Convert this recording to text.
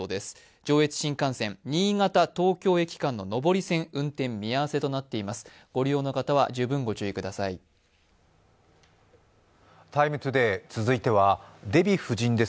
上越新幹線、新潟−東京駅間の上り線、運転見合わせとなっています。